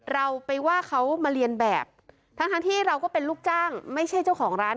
เราไปว่าเขามาเรียนแบบทั้งที่เราก็เป็นลูกจ้างไม่ใช่เจ้าของร้าน